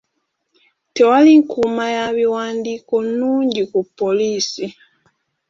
Tewali nkuuma ya biwandiiko nnungi ku poliisi.